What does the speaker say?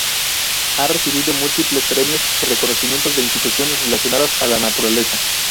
Ha recibido múltiples premios y reconocimientos de instituciones relacionadas a la naturaleza.